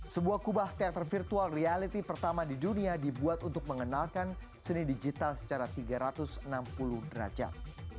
sebuah kubah teater virtual reality pertama di dunia dibuat untuk mengenalkan seni digital secara tiga ratus enam puluh derajat